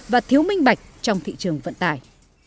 và thiếu minh bạch trong thị trường vận tải